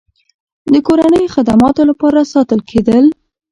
د کورنیو خدماتو لپاره ساتل کېدل.